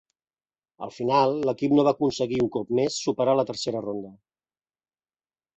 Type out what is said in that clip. Al final, l'equip no va aconseguir un cop més superar la tercera ronda.